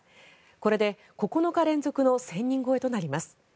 これで９日連続の１０００人超えとなります。